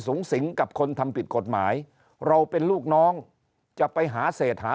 สูงสิงกับคนทำผิดกฎหมายเราเป็นลูกน้องจะไปหาเศษหา